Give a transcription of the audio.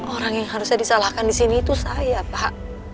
orang yang harusnya disalahkan disini itu saya pak